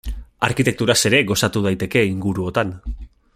Arkitekturaz ere gozatu daiteke inguruotan.